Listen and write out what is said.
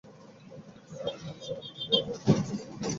একটু বিশ্রাম করে সন্ধ্যা ছটার দিকে বেরিয়ে পড়েছিলাম সিটি সেন্টারের দিকে।